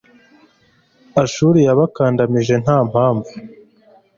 ashuri yabakandamije nta mpamvu